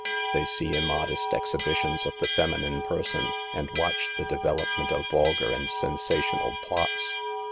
They see immodest exhibitions of the feminine person, and watch the develop ment of vulgar and sensational plots.